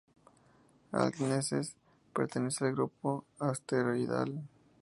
Aksnes pertenece al grupo asteroidal de Hilda.